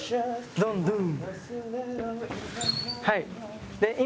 ドンドン！